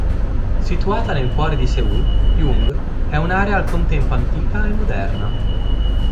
Situata nel cuore di Seul, Jung è un'area al contempo antica e moderna.